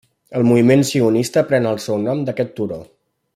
El moviment sionista pren el seu nom d'aquest turó.